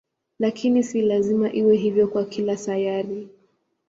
Lakini si lazima iwe hivyo kwa kila sayari.